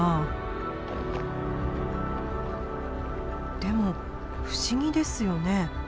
でも不思議ですよね。